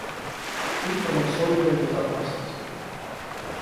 Информационная безопасность